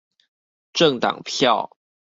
政黨票